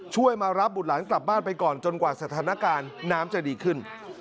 ช่วยมารับบุตรหลานกลับบ้านไปก่อนจนกว่าสถานการณ์น้ำจะดีขึ้น